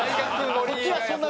こっちはそんな。